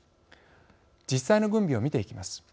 実際の軍備をみていきます。